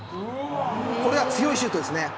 これは強いシュートですね。